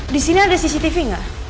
disini ada cctv gak